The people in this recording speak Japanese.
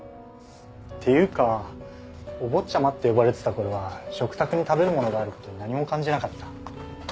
っていうかお坊ちゃまって呼ばれてた頃は食卓に食べるものがある事に何も感じなかった。